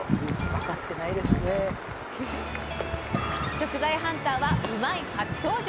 食材ハンターは「うまいッ！」初登場！